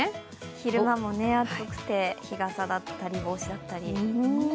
昼間も暑くて、日傘だったり帽子だったり。